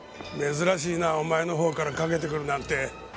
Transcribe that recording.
珍しいなお前の方からかけてくるなんて。